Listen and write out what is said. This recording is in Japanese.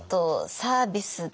サービスで？